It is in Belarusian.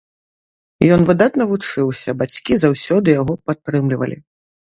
Ён выдатна вучыўся, бацькі заўсёды яго падтрымлівалі.